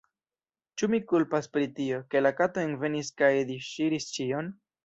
Ĉu mi kulpus pri tio, ke la kato envenis kaj disŝiris ĉion?